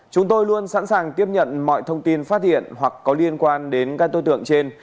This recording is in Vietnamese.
chúng tôi luôn sẵn sàng tiếp nhận mọi thông tin phát hiện hoặc có liên quan đến các đối tượng trên